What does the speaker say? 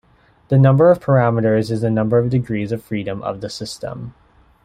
The number of parameters is the number of degrees of freedom of the system.